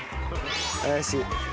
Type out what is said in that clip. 怪しい。